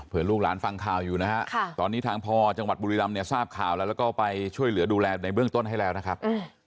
เพื่อลูกหลานฟังข่าวอยู่นะฮะตอนนี้ทางพอจังหวัดบุรีรำเนี่ยทราบข่าวแล้วแล้วก็ไปช่วยเหลือดูแลในเบื้องต้นให้แล้วนะครับ